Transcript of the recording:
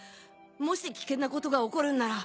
もし危険なことが起こるんなら。